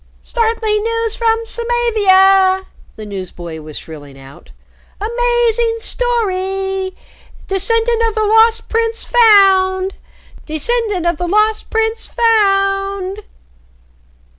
"Startling news from Samavia," the newsboy was shrilling out. "Amazing story! Descendant of the Lost Prince found! Descendant of the Lost Prince found!"